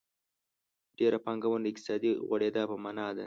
ډېره پانګونه د اقتصادي غوړېدا په مانا ده.